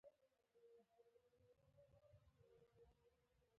ښوونکی باید لارښود وي